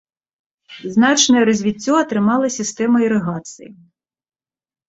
Значнае развіццё атрымала сістэма ірыгацыі.